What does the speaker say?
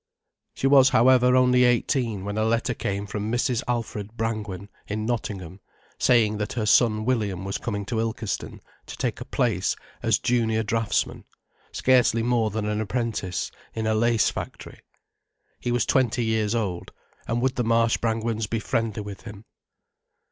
She was, however, only eighteen when a letter came from Mrs. Alfred Brangwen, in Nottingham, saying that her son William was coming to Ilkeston to take a place as junior draughtsman, scarcely more than apprentice, in a lace factory. He was twenty years old, and would the Marsh Brangwens be friendly with him.